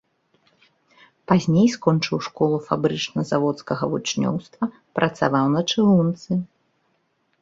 Пазней скончыў школу фабрычна-заводскага вучнёўства, працаваў на чыгунцы.